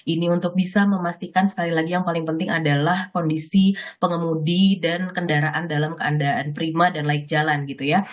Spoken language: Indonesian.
ini untuk bisa memastikan sekali lagi yang paling penting adalah kondisi pengemudi dan kendaraan dalam keadaan prima dan laik jalan gitu ya